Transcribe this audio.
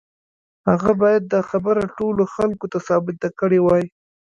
هغه بايد دا خبره ټولو خلکو ته ثابته کړې وای.